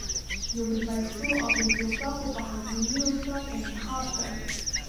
يو بې پيسو او بې ټوپکو پوهنتوني استاد انتخاب کړ.